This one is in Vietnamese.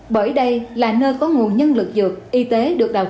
bởi đây là nơi có nguồn nhân lực dược y tế được tạo ra